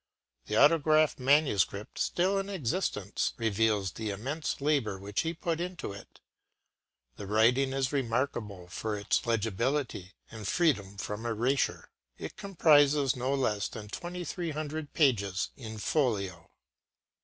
” The autograph manuscript, still in existence, reveals the immense labour which he put into it. The writing is remarkable for its legibility and freedom from erasure. It comprises no less than 2,300 pages in folio.